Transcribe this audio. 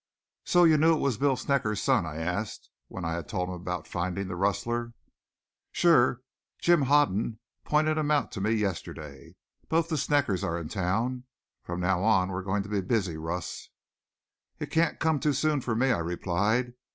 "So you knew it was Bill Snecker's son?" I asked when I had told him about finding the rustler. "Sure. Jim Hoden pointed him out to me yesterday. Both the Sneckers are in town. From now on we're going to be busy, Russ." "It can't come too soon for me," I replied.